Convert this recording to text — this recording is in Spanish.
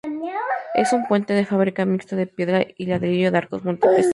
Es un puente de fábrica mixto, de piedra y ladrillo, de arcos múltiples.